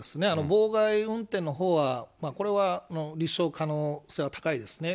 妨害運転のほうは、これは立証可能性は高いですね。